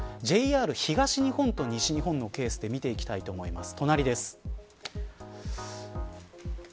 ＪＲ東日本と西日本のケースで見ていきたいと思います。